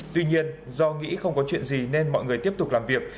tuy nhiên do nghĩ không có chuyện gì nên mọi người tiếp tục làm việc